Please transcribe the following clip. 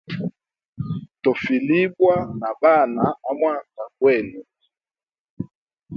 Tofilibwa na bana amwanda gwenu.